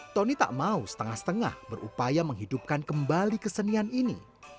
tony tak mau setengah setengah berupaya menghidupkan kembali kesenian ini